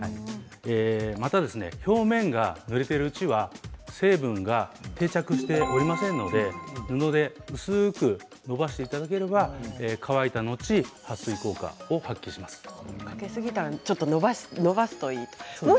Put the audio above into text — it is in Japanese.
また表面がぬれているうちは成分が定着しておりませんので布で薄くのばしていただければ乾いたのち、はっ水効果も塗りすぎたらのばすということですね。